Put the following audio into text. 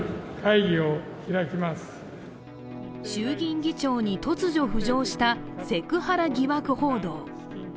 衆議院議長に突如浮上したセクハラ疑惑報道。